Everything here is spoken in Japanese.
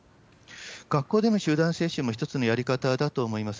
学校での集団接種も一つのやり方だと思います。